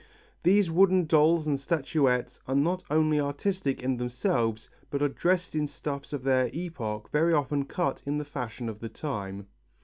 These wooden dolls and statuettes are not only artistic in themselves, but are dressed in stuffs of their epoch very often cut in the fashion of the time.